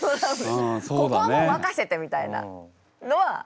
ここはもう任せてみたいなのはありました。